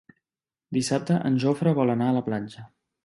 Dissabte en Jofre vol anar a la platja.